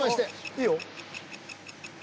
［いいよ］